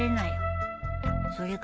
それから。